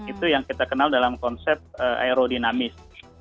itu yang kita kenal dalam konsep aerodinamis